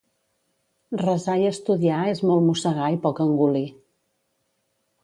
Resar i estudiar és molt mossegar i poc engolir.